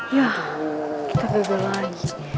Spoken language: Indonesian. ya kita bebel lagi